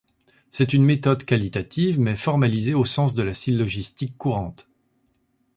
C'est une méthode qualitative mais formalisée au sens de la syllogistique courante.